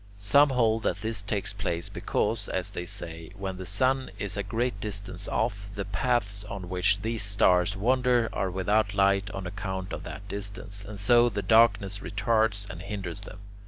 Some hold that this takes place because, as they say, when the sun is a great distance off, the paths on which these stars wander are without light on account of that distance, and so the darkness retards and hinders them.